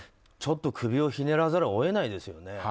ちょっと首をひねらざるを得ないですよね。